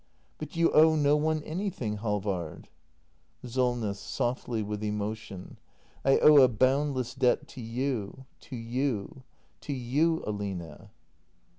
But you owe no one anything, Halvard ! Solness. [Softly, with emotion.] I owe a boundless debt to you — to you — to you, Aline.